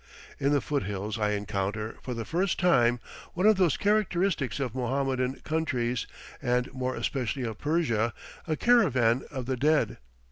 In the foothills I encounter, for the first time, one of those characteristics of Mohammedan countries, and more especially of Persia, a caravan of the dead.